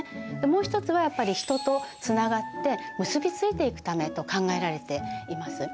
もう一つはやっぱり人とつながって結びついていくためと考えられています。